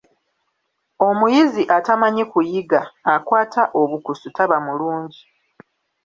Omuyizi atamanyi kuyiga, akwata obukusu taba mulungi.